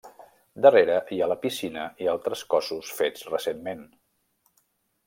Darrere hi ha la piscina i altres cossos fets recentment.